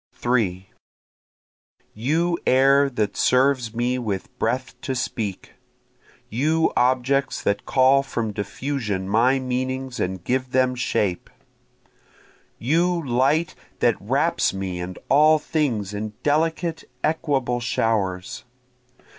3 You air that serves me with breath to speak! You objects that call from diffusion my meanings and give them shape! You light that wraps me and all things in delicate equable showers!